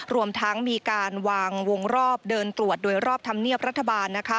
รวมทั้งมีการวางวงรอบเดินตรวจโดยรอบธรรมเนียบรัฐบาลนะคะ